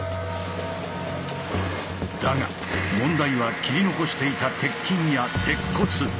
だが問題は切り残していた鉄筋や鉄骨。